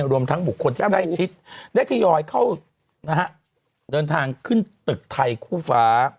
รวมทั้งบุคคลที่ใกล้ชิดได้ทยอยเข้าเดินทางขึ้นตึกไทยคู่ฟ้า